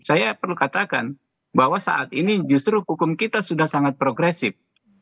saya perlu katakan bahwa saat ini justru hukum kita sudah sangat progresif